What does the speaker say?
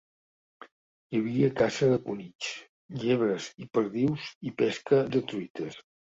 Hi havia caça de conills, llebres i perdius i pesca de truites.